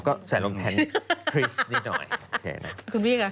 ก็ใส่อารมณ์แทนคริสนิดหน่อย